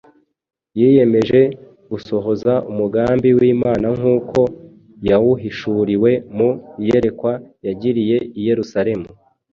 yiyemeje gusohoza umugambi w’Imana nkuko yawuhishuriwe mu iyerekwa yagiriye i Yerusalemu: